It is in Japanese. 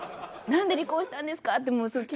何で離婚したんですか？